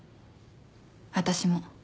私も。